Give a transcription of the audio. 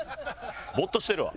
ボーッとしてるわ。